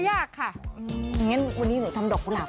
ยากยากไหมคะดอกกุหลาบ